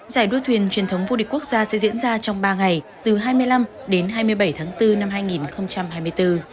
giải đua thuyền truyền thống vô địch quốc gia sẽ diễn ra trong ba ngày từ hai mươi năm đến hai mươi bảy tháng bốn năm hai nghìn hai mươi bốn